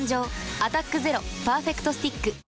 「アタックＺＥＲＯパーフェクトスティック」